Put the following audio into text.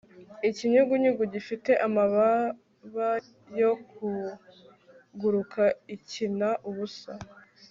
ikinyugunyugu gifite amababa yo kuguruka ikina ubusa